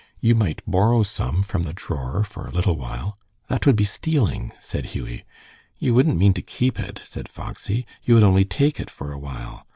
"You might borrow some from the drawer for a little while." "That would be stealing," said Hughie. "You wouldn't mean to keep it," said Foxy. "You would only take it for a while.